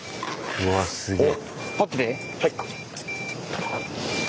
うわすげえ。